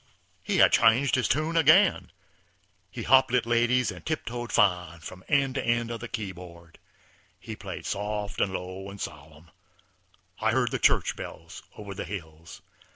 He had changed his tune again. He hop light ladies and tip toed fine from end to end of the key board. He played soft and low and solemn. I heard the church bells over the hills.